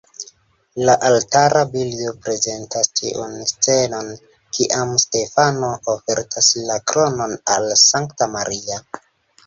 La altara bildo prezentas tiun scenon, kiam Stefano ofertas la kronon al Sankta Maria.